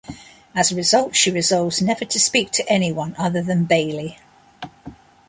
As a result, she resolves never to speak to anyone other than Bailey.